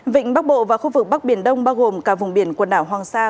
vịnh bắc bộ và khu vực bắc biển đông bao gồm cả vùng biển quần đảo hoàng sa